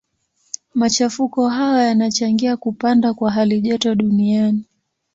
Machafuko hayo yanachangia kupanda kwa halijoto duniani.